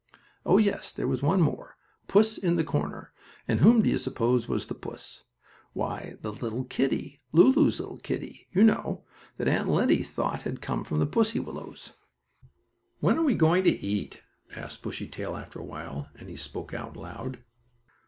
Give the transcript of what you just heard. Oh, yes, there was one more, puss in the corner, and whom do you suppose was the puss? Why the little kittie; Lulu's little kittie, you know, that Aunt Lettie thought had come from the pussy willows. "When are we going to eat?" asked Bushytail, after a while, and he spoke out loud.